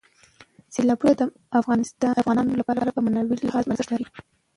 سیلابونه د افغانانو لپاره په معنوي لحاظ ارزښت لري.